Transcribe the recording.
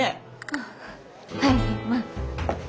あはいまあ。